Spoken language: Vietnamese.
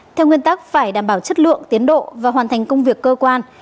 theo nguyên tắc phải đảm bảo chất lượng tiến độ và hoàn thành công việc cơ quan